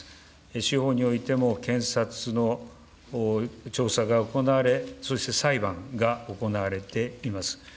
司法においても、検察の調査が行われ、そして裁判が行われています。